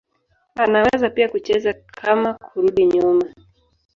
Anaweza pia kucheza kama kurudi nyuma.